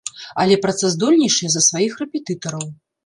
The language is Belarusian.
Але працаздольнейшыя за сваіх рэпетытараў.